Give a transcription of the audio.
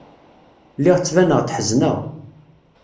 Lliɣ ttbaneɣ-d ḥezneɣ.